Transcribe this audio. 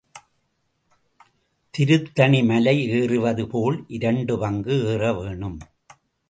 திருத்தணி மலை ஏறுவது போல் இரண்டு பங்கு ஏறவேணும்.